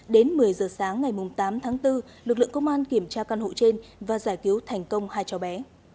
đến một mươi giờ sáng ngày tám tháng bốn lực lượng công an kiểm tra căn hộ trên và giải cứu thành công hai cháu bé